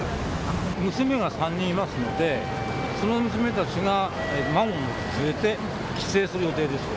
娘が３人いますので、その娘たちが孫を連れて帰省する予定です。